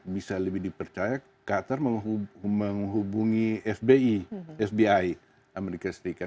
bisa lebih dipercaya qatar menghubungi fbi fbi amerika serikat